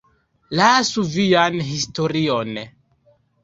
Lasu vian historion!